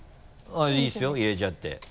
いいですよ入れちゃって。